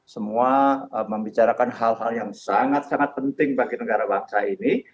semua membicarakan hal hal yang sangat sangat penting bagi negara bangsa ini